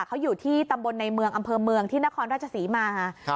เขาอยู่ที่ตำบลในเมืองอำเภอเมืองที่นครราชศรีมา